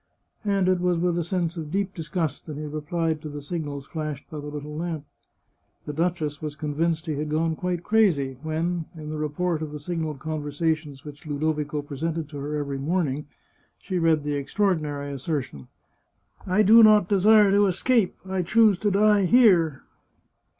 And it was with a sense of deep disgust that he replied to the signals flashed by the little lamp. The duchess was convinced he had gone quite crazy when, in the report of the signalled conversations which Ludovico presented to her every morning, she read the extraordinary assertion :" I do not desire to escape. I choose to die here."